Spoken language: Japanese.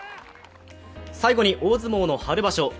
最後に大相撲の春場所。